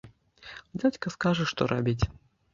Дзядзька скажа, што рабіць.